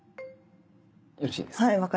よろしいですか？